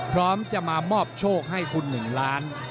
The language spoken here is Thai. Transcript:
พร้อมจะมามอบโชคให้คุณ๑ล้าน